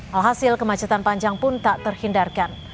alhasil kemacetan panjang pun tak terhindarkan